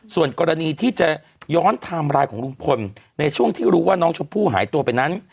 ส่วนกรณีที่จะย้อนไทม์ไลน์ของลุงพลในช่วงที่รู้ว่าน้องชมพู่หายตัวไปนั้น